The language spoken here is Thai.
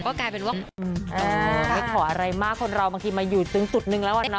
ก็กลายเป็นว่าไม่ขออะไรมากคนเราบางทีมาอยู่ตรงจุดนึงแล้วอะเนาะ